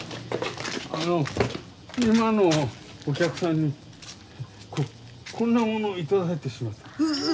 あの今のお客さんにこんなものを頂いてしまった。